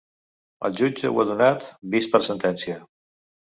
El jutge ho ha donat ‘vist per a sentència’.